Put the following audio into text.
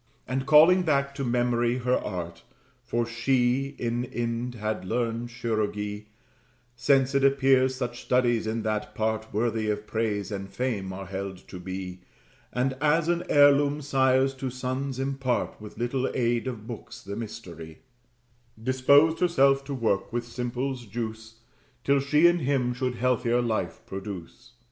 And calling back to memory her art, For she in Ind had learned chirurgery, (Since it appears such studies in that part Worthy of praise and fame are held to be, And, as an heirloom, sires to sons impart, With little aid of books, the mystery,) Disposed herself to work with simples' juice, Till she in him should healthier life produce.